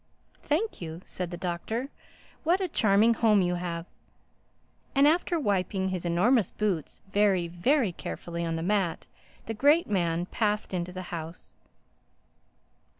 "Thank you!" said the Doctor. "What a charming home you have!" And after wiping his enormous boots very, very carefully on the mat, the great man passed into the house.